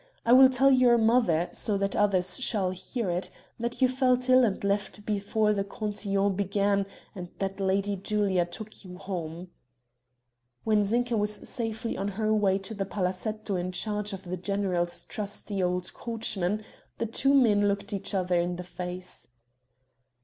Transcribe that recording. I will tell your mother, so that others shall hear it, that you felt ill and left before the cotillon began and that Lady Julia took you home." When Zinka was safely on her way to the palazetto in charge of the general's trusty old coachman, the two men looked each other in the face.